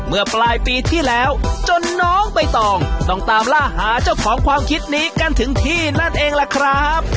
เมื่อปลายปีที่แล้วจนน้องใบตองต้องตามล่าหาเจ้าของความคิดนี้กันถึงที่นั่นเองล่ะครับ